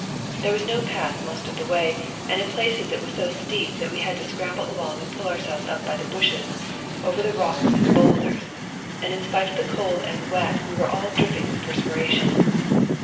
There was no path most of the way, and in places it was so steep that we had to scramble along and pull ourselves up by the bushes, over the rocks and boulders, and in spite of the cold and wet we were all dripping with perspiration.